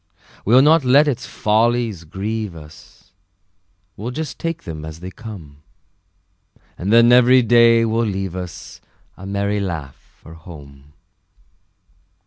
We'll not let its follies grieve us, We'll just take them as they come; And then every day will leave us A merry laugh for home.